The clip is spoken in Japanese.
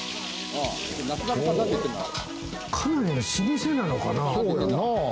かなりの老舗なのかな？